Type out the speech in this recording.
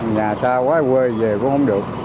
nhà xa quá quê về cũng không được